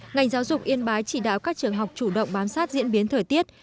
ngành giáo dục yên bái chỉ đạo các trường học chủ động bám sát diễn biến thời tiết